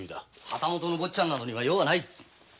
旗本の坊ちゃんなど用はない。